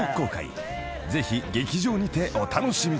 ［ぜひ劇場にてお楽しみください］